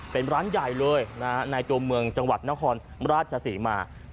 เป็นร้านใหญ่เลยในตัวเมืองจังหวัดนครราชศรีมา